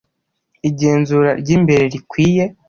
igenzura ry imbere rikwiye